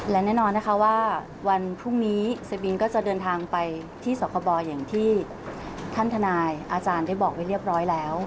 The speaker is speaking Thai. และแน่นอนนะคะว่าวันพรุ่งนี้เซบินก็จะเดินทางไปที่สคบอย่างที่ท่านทนายอาจารย์ได้บอกไว้เรียบร้อยแล้ว